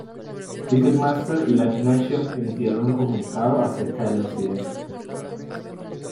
Ticketmaster y Live Nation emitieron un comunicado acerca de la incidencia.